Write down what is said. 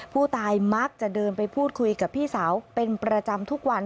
ผู้ตายมักจะเดินไปพูดคุยกับพี่สาวเป็นประจำทุกวัน